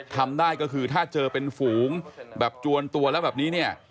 ทำได้ก็คือถ้าเจอเป็นฝูงแบบจวนตัวแล้วแบบนี้เนี่ย